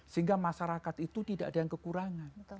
sehingga masyarakat itu tidak ada yang kekurangan